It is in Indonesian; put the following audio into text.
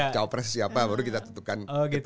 cowopress siapa baru kita tutupkan ketua tim kita gitu